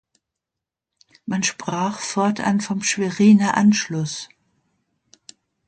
Man sprach fortan vom „Schweriner Anschluss“.